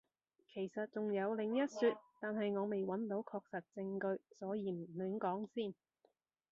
其實仲有另一說，但係我未揾到確實證據，所以唔亂講先